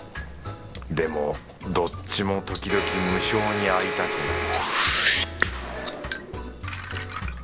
でもどっちも時々無性に会いたくなる